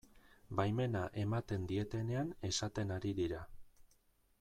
Baimena ematen dietenean esaten ari dira.